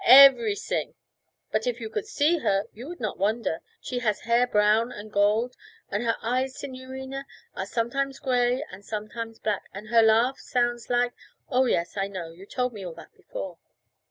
'Everysing! But if you could see her you would not wonder. She has hair brown and gold, and her eyes, signorina, are sometimes grey and sometimes black, and her laugh sounds like ' 'Oh, yes, I know; you told me all that before.'